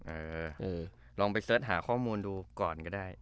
เออลองไปเสิร์ชหาข้อมูลดูก่อนก็ได้